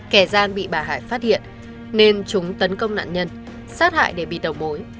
kẻ gian bị bà hải phát hiện nên chúng tấn công nạn nhân sát hại để bị đầu bối